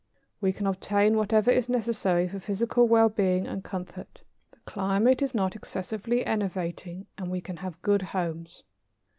We can obtain whatever is necessary for physical wellbeing and comfort. The climate is not excessively enervating and we can have good homes.